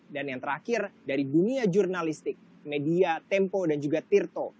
dan yang terakhir dari dunia jurnalistik media tempo dan juga tirto